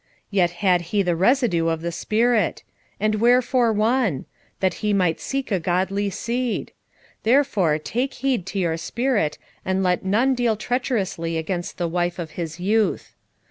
Yet had he the residue of the spirit. And wherefore one? That he might seek a godly seed. Therefore take heed to your spirit, and let none deal treacherously against the wife of his youth.